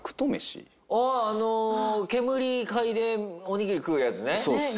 あああの煙嗅いでおにぎり食うやつね。